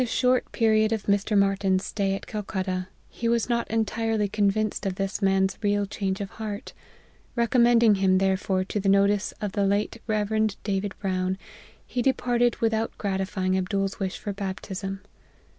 205 short period of Mr. Martyn's stay at Calcutta, he was not entirely convinced of this man's real change of heart : recommending him, therefore, to the notice of the late Rev. David Brown, he de parted without gratifying Abdool's wish for bap tism.